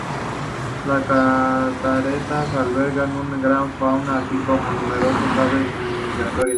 Las cataratas albergan una gran fauna, así como numerosas aves migratorias.